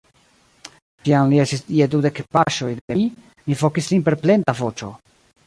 Kiam li estis je dudek paŝoj de mi, mi vokis lin per plenda voĉo.